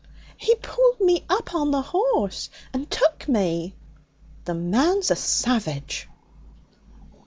'He pulled me up on the horse and took me.' 'The man's a savage.'